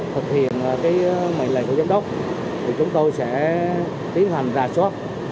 thực hiện cái mệnh lệ của giám đốc thì chúng tôi sẽ tiến hành ra suốt